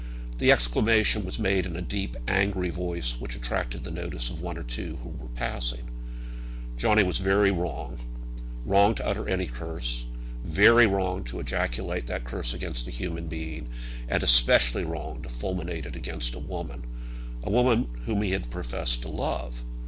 The exclamation was made in a deep angry voice which attracted the notice of one or two who were passing. Johnny was very wrong, wrong to utter any curse; very wrong to ejaculate that curse against a human being; and especially wrong to fulminate it against a woman a woman whom he had professed to love!